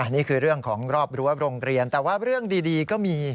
นี่คือเรื่องของรอบรั้วโรงเรียนแต่ว่าเรื่องดีก็มี